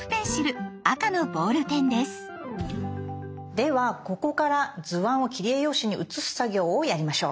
ではここから図案を切り絵用紙に写す作業をやりましょう。